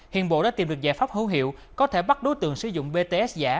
hiện bộ đã tìm được giải pháp hữu hiệu có thể bắt đối tượng sử dụng bts giả